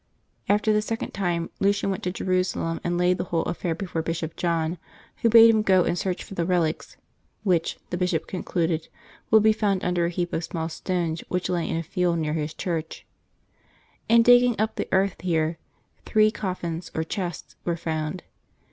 After the second time, Lucian went to Jerusalem and laid the whole affair before Bishop John, who bade him go and search for the relics, which, the Bishop concluded, would be found under a heap of small stones which lay in a field near his church. In digging up the earth here, three coJBSns or chests were found.